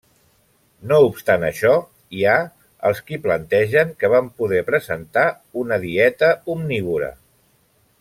No obstant això, hi ha els qui plantegen que van poder presentar una dieta omnívora.